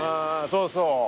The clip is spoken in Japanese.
そうそう。